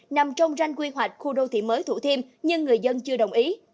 nằm trong ranh quy hoạch khu đô thị mới thủ thiêm nhưng người dân chưa đồng ý